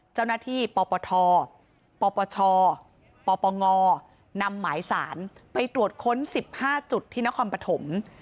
เจ้าหน้าที่ปปทปปชปปงนำหมายสารไปตรวจค้น๑๕จุดที่นครปฐม